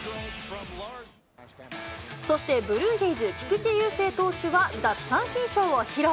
そしてブルージェイズ、菊池雄星投手は奪三振ショーを披露。